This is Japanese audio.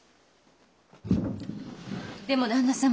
でも旦那様